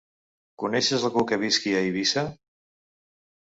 Coneixes algú que visqui a Eivissa?